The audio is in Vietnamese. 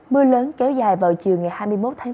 mưa lớn kéo dài vào chiều ngày hai mươi một tháng bốn